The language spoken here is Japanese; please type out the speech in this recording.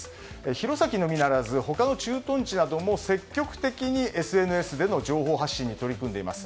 弘前のみならず他の駐屯地なども積極的にＳＮＳでの情報発信に取り組んでいます。